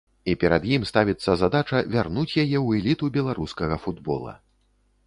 І перад ім ставіцца задача вярнуць яе ў эліту беларускага футбола.